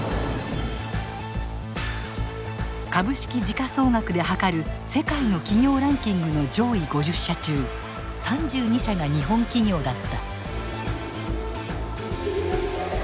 株式時価総額ではかる世界の企業ランキングの上位５０社中３２社が日本企業だった。